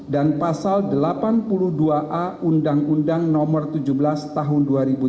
dan pasal delapan puluh dua a undang undang no tujuh belas tahun dua ribu tiga belas